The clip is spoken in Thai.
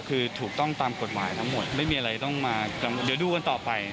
คือถูกต้องตามกฎหมายทั้งหมดไม่มีอะไรต้องมาเดี๋ยวดูกันต่อไป